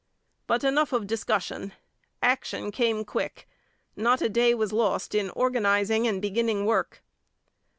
But enough of discussion. Action came quick. Not a day was lost in organizing and beginning work.